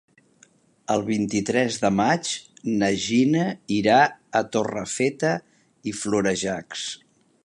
El vint-i-tres de maig na Gina irà a Torrefeta i Florejacs.